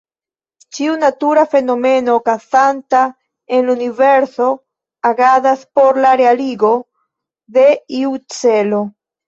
Ĉiu natura fenomeno okazanta en la universo agadas por la realigo de iu celo.